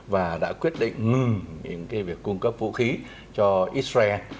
và đã quyết định ngừng những việc cung cấp vũ khí cho israel